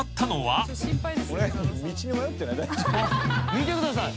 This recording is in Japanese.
見てください。